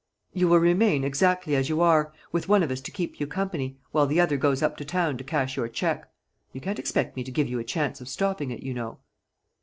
"You will remain exactly as you are, with one of us to keep you company, while the other goes up to town to cash your cheque. You can't expect me to give you a chance of stopping it, you know."